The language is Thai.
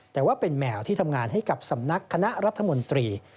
แต่ว่าเป็นแมวที่ทำงานให้กับสำนักคณะรัฐมนตรี